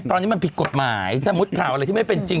ตอนนี้มันผิดกฎหมายถ้ามุติข่าวอะไรที่ไม่เป็นจริง